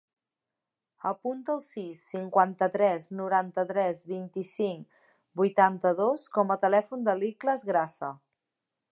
Apunta el sis, cinquanta-tres, noranta-tres, vint-i-cinc, vuitanta-dos com a telèfon de l'Ikhlas Grasa.